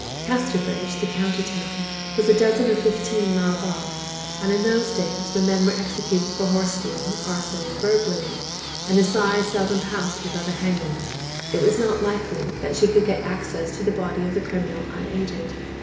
Casterbridge, the county town, was a dozen or fifteen miles off; and though in those days, when men were executed for horse stealing, arson, and burglary, an assize seldom passed without a hanging, it was not likely that she could get access to the body of the criminal unaided.